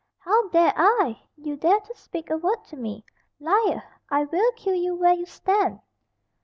"How dare I! You dare to speak a word to me. Liar! I will kill you where you stand."